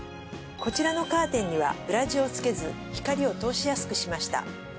こちらのカーテンには裏地をつけず光を通しやすくしました。